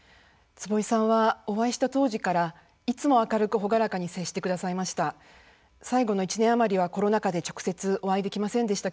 坪井さんはお会いした当時からいつも明るく朗らかに接してくださいました。